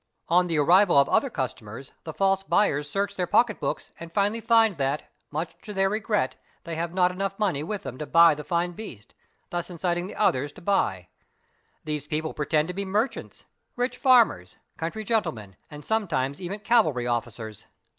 On the arrival of other customers the false buyers search their pocket books and finally find that, much to their regret, they have not enough money with them to buy the fine beast, thus inciting the others to buy. These people pretend to be merchants, rich farmers, country gentle "men, and sometimes even cavalry officers.